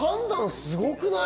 すごくない？